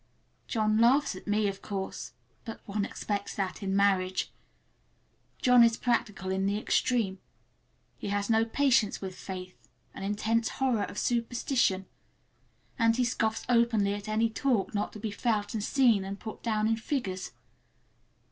John laughs at me, of course, but one expects that in marriage. John is practical in the extreme. He has no patience with faith, an intense horror of superstition, and he scoffs openly at any talk of things not to be felt and seen and put down in figures.